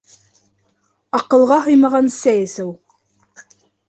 АҠЫЛҒА ҺЫЙМАҒАН СӘЙ ЭСЕҮ